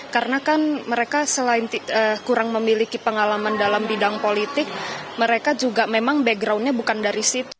karena kan mereka selain kurang memiliki pengalaman dalam bidang politik mereka juga memang backgroundnya bukan dari situ